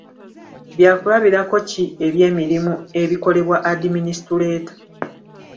Byakulabirako ki eby'emirimu ebikolebwa adiminisituleeta.